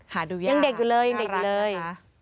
หาดูยากยังเด็กอยู่เลย